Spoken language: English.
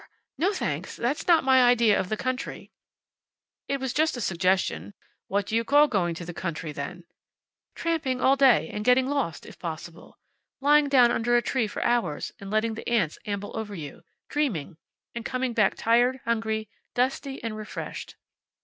No, thanks. That's not my idea of the country." "It was just a suggestion. What do you call going to the country, then?" "Tramping all day, and getting lost, if possible. Lying down under a tree for hours, and letting the ants amble over you. Dreaming. And coming back tired, hungry, dusty, and refreshed."